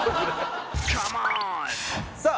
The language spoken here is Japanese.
さあ